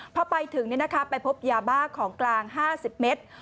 พอไปถึงไปพบยาบ้าของกลาง๕๐เมตร